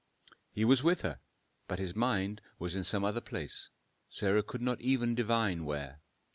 He was with her, but his mind was in some other place, Sarah could not even divine where.